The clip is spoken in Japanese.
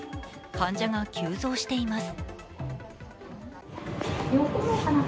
患者が急増しています。